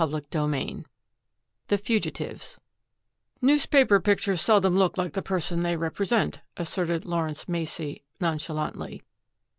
CHAPTER XII THE FUGITIVES "Newspaper pictures seldom look like the person they represent," asserted Lawrence Macey nonchalantly.